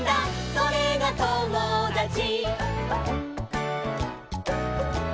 「それがともだち」